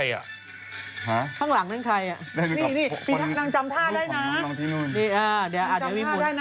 อย่างนั้นละเออวะแคล์งนี้ต้องเปลี่ยนกันเถอะนะคะ